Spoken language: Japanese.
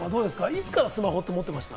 いつからスマホ持ってました？